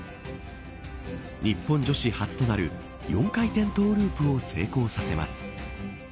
日本女子初となる４回転トゥループを成功させます。